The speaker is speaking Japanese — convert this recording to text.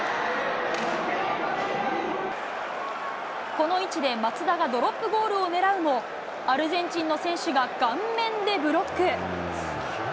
この位置で松田がドロップゴールを狙うも、アルゼンチンの選手が、顔面でブロック。